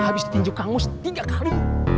habis ditinjuk kangmus tiga kali